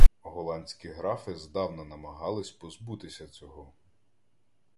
Голландські графи здавна намагались позбутися цього.